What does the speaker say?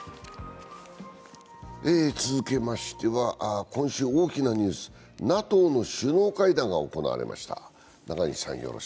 続けましては今週大きなニュース、ＮＡＴＯの首脳会談が行われました。